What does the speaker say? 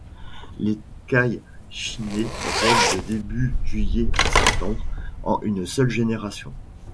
L'Écaille chinée vole de début juillet à septembre, en une seule génération.